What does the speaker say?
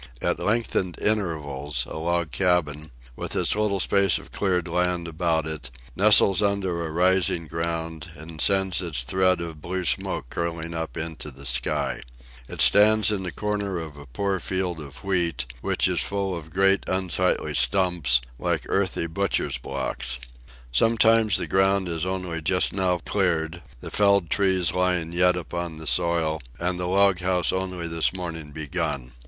At lengthened intervals a log cabin, with its little space of cleared land about it, nestles under a rising ground, and sends its thread of blue smoke curling up into the sky. It stands in the corner of the poor field of wheat, which is full of great unsightly stumps, like earthy butchers' blocks. Sometimes the ground is only just now cleared: the felled trees lying yet upon the soil: and the log house only this morning begun.